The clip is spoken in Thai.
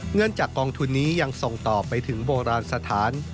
เงินจากกองทุนนี้ยังส่งต่อไปถึงโบราณสถาน